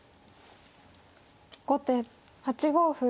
後手８五歩。